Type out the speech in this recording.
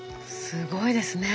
すごいですね。